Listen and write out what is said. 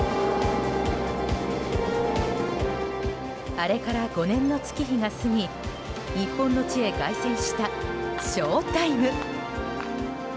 あれから５年の月日が過ぎ日本の地へ凱旋したショウタイム。